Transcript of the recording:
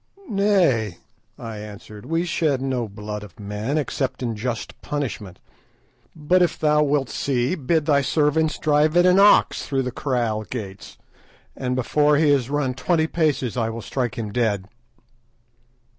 "Nay," I answered; "we shed no blood of men except in just punishment; but if thou wilt see, bid thy servants drive in an ox through the kraal gates, and before he has run twenty paces I will strike him dead."